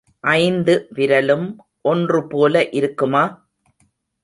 ஐந்து விரலும் ஒன்று போல இருக்குமா?